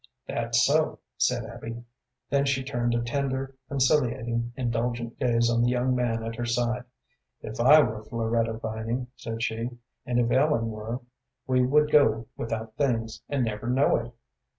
"That's so," said Abby. Then she turned a tender, conciliating, indulgent gaze on the young man at her side. "If I were Floretta Vining," said she, "and if Ellen were, we would go without things, and never know it.